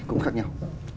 cũng khác nhau